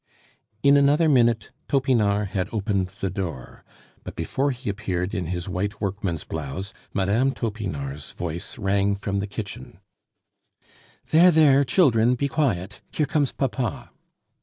In another minute Topinard had opened the door; but before he appeared in his white workman's blouse Mme. Topinard's voice rang from the kitchen: "There, there! children, be quiet! here comes papa!"